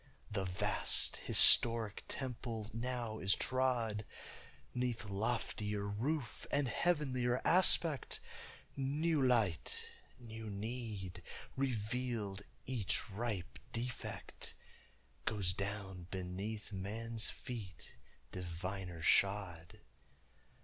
The vast historic temple now is trod 'Neath loftier roof and heavenlier aspéct; New light, new need, revealed, each ripe defect Goes down beneath man's feet diviner shod.